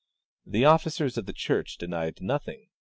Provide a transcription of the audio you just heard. The officers of the church denied nothing.